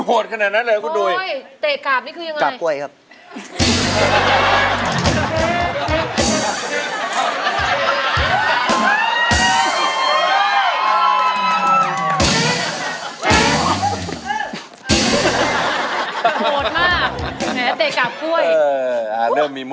โหดมากไหนแต่กลับด้วย